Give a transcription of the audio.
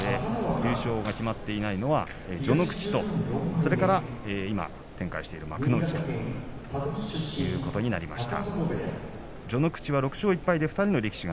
優勝が決まっていないのは序ノ口と、それから今、展開している幕内ということになります。